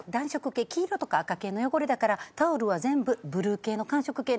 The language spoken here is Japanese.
黄色とか赤系の汚れだからタオルは全部ブルー系の寒色系なんですね。